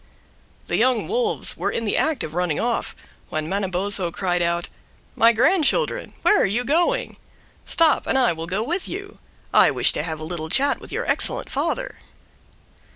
The young wolves were in the act of running off when Manabozho cried out, "My grandchildren, where are you going? Stop and I will go with you. I wish to have a little chat with your excellent father."